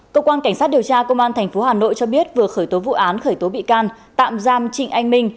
cơ quan cảnh sát điều tra công an tp hà nội cho biết vừa khởi tố vụ án khởi tố bị can tạm giam trịnh anh minh